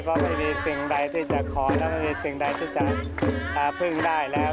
ก็ไม่มีสิ่งใดที่จะขอแล้วไม่มีสิ่งใดที่จะพึ่งได้แล้ว